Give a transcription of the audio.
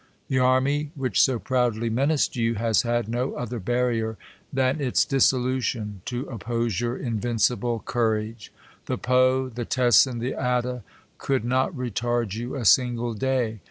The army, which so proudly menaced you, has had no other barrier than its dissolution to oppose your in vincible courage. The Po, the Tessen, the Adda, could not retard you a .single day.